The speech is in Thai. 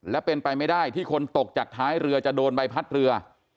และเป็นไปไม่ได้ที่คนตกจากท้ายเรือจะโดนใบพัดเรือ